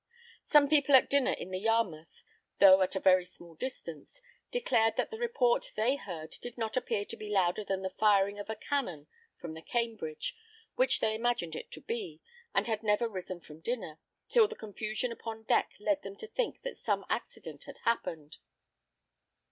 Some people at dinner in the Yarmouth, though at a very small distance, declared that the report they heard did not appear to be louder than the firing of a cannon from the Cambridge, which they imagined it to be, and had never risen from dinner, till the confusion upon deck led them to think that some accident had happened.